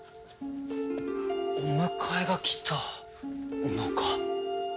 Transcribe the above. お迎えが来たのか？